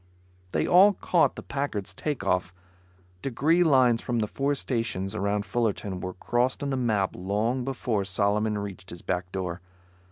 They all caught the Packard's takeoff. Degree lines from the four stations around Fullerton were crossed on the map long before Solomon reached his back door.